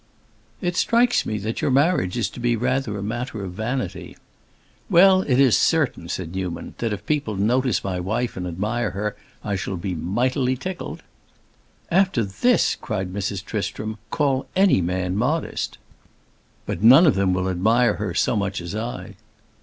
"It strikes me that your marriage is to be rather a matter of vanity." "Well, it is certain," said Newman, "that if people notice my wife and admire her, I shall be mightily tickled." "After this," cried Mrs. Tristram, "call any man modest!" "But none of them will admire her so much as I."